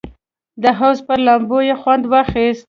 د حوض پر لامبو یې خوند واخیست.